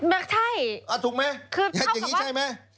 แบบใช่คือเข้ากับว่าอ่าถูกไหมอย่างนี้ใช่ไหม